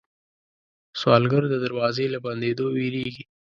سوالګر د دروازې له بندېدو وېرېږي